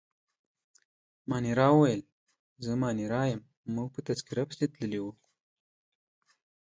مانیرا وویل: زه مانیرا یم، موږ په تذکیره پسې تللي وو.